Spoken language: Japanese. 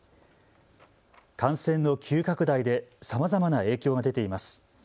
感染の急拡大でさまざまな影響が出ています。